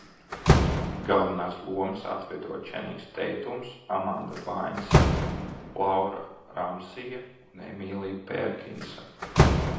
Galvenās lomas atveido Čenings Teitums, Amanda Bainsa, Laura Ramsija un Emīlija Pērkinsa.